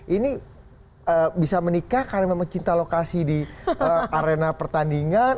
ini bisa menikah karena memang cinta lokasi di arena pertandingan